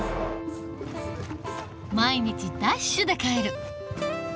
毎日ダッシュで帰る。